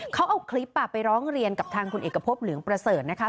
เขาเอาคลิปไปร้องเรียนกับทางคุณเอกพบเหลืองประเสริฐนะคะ